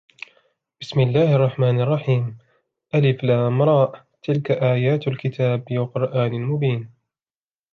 بسم الله الرحمن الرحيم الر تلك آيات الكتاب وقرآن مبين